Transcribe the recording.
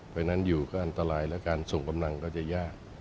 เพราะฉะนั้นอยู่ก็อันตรายและการส่งกำลังก็จะยาก